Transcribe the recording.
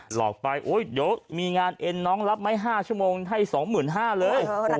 หลอกไปโอ๊ยเดี๋ยวมีงานเอ็นน้องรับไหม๕ชั่วโมงให้๒๕๐๐เลย